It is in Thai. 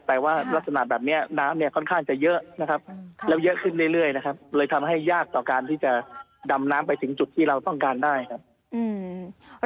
แต่ว่ารักษณะแบบนี้น้ำเนี่ยค่อนข้างจะเยอะนะครับแล้วเยอะขึ้นเรื่อยนะครับเลยทำให้ยากต่อการที่จะดำน้ำไปถึงจุดที่เราต้องการได้ครับ